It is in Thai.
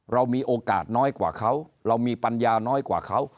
เรามีโอกาสน้อยกว่าเขาเรามีปัญญาน้อยกว่าเขา